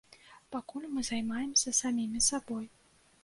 Пакуль мы займаемся самімі сабой.